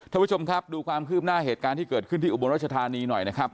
ท่านผู้ชมครับดูความคืบหน้าเหตุการณ์ที่เกิดขึ้นที่อุบลรัชธานีหน่อยนะครับ